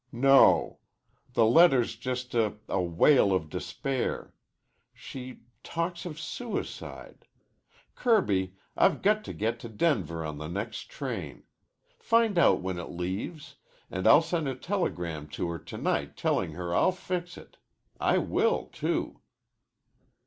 "No. The letter's just a a wail of despair. She talks of suicide. Kirby, I've got to get to Denver on the next train. Find out when it leaves. And I'll send a telegram to her to night telling her I'll fix it. I will too."